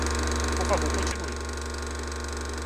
Por favor continue.